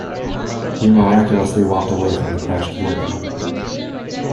He miraculously walked away from the crashed vehicle.